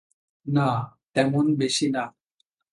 না, তেমন বেশী না।